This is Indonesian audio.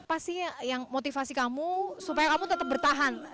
pastinya yang motivasi kamu supaya kamu tetap bertahan